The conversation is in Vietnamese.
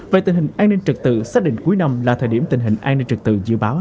về tình hình an ninh trật tự xác định cuối năm là thời điểm tình hình an ninh trật tự dự báo